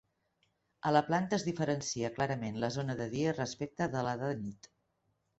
A la planta es diferencia clarament la zona de dia respecte de la de nit.